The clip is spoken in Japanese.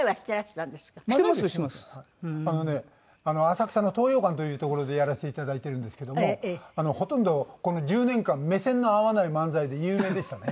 浅草の東洋館という所でやらせていただいてるんですけどもほとんどこの１０年間目線の合わない漫才で有名でしたね。